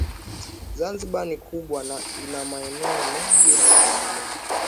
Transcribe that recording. Zanzibar ni kubwa na ina maeneo mengi ya kutembelea